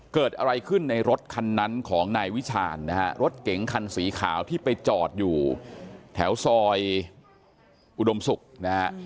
เกิดอะไรขึ้นในรถคันนั้นของนายวิชาญนะฮะรถเก๋งคันสีขาวที่ไปจอดอยู่แถวซอยอุดมศุกร์นะฮะ